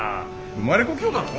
生まれ故郷だろ？